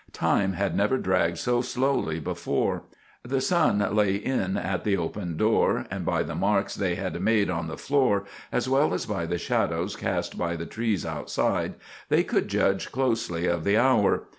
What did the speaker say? Time had never dragged so slowly before. The sun lay in at the open door, and by the marks they had made on the floor, as well as by the shadows cast by the trees outside, they could judge closely of the hour.